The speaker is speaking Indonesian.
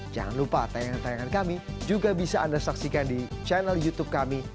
jangan lupa tayangan tayangan kami juga bisa anda saksikan di channel youtube kami